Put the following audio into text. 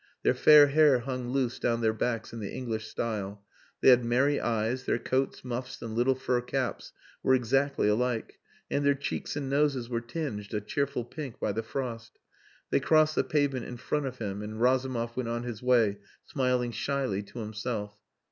Their fair hair hung loose down their backs in the English style; they had merry eyes, their coats, muffs, and little fur caps were exactly alike, and their cheeks and noses were tinged a cheerful pink by the frost. They crossed the pavement in front of him, and Razumov went on his way smiling shyly to himself.